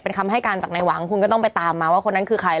เป็นคำให้การจากในหวังคุณก็ต้องไปตามมาว่าคนนั้นคือใคร